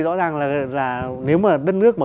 rõ ràng là nếu mà đất nước mà